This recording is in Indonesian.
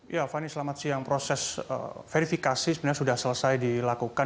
ya fani selamat siang proses verifikasi sebenarnya sudah selesai dilakukan